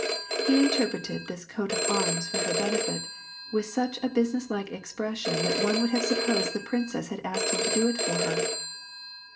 He inter preted this coat of arms for her benefit, with such a business like expression that one would have supposed the princess had asked him to do it for her.